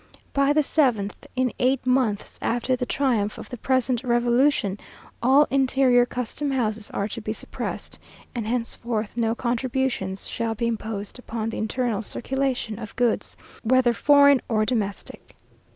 By the seventh, in eight months after the triumph of the present revolution, all interior custom houses are to be suppressed, and henceforth no contributions shall be imposed upon the internal circulation of goods, whether foreign or domestic.